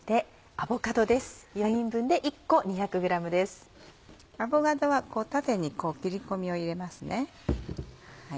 アボカドは縦に切り込みを入れますね。